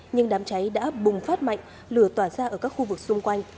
nhưng đám cháy đã bùng phát mạnh lửa tỏa ra ở các khu vực xung quanh